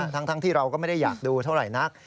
ทั้งที่เราก็ไม่ได้อยากดูเท่าไหร่นัก